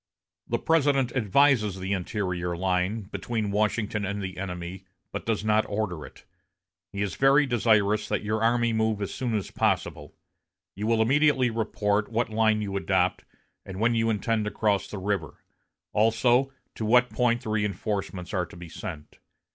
The President advises the interior line, between Washington and the enemy, but does not order it. He is very desirous that your army move as soon as possible. You will immediately report what line you adopt, and when you intend to cross the river; also to what point the reinforcements are to be sent.